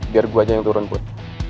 biar gue aja yang turun put